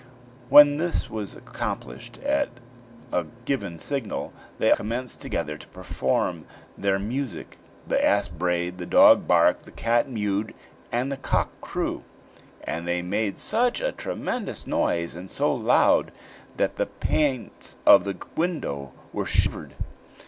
When this was accomplished, at a given signal they commenced together to perform their music: the ass brayed, the dog barked, the cat mewed, and the cock crew; and they made such a tremendous noise, and so loud, that the panes of the window were shivered!